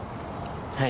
はい。